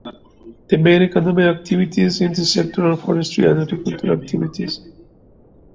The main economic activities in the sector are forestry and agricultural activities.